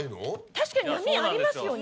確かに波ありますよね。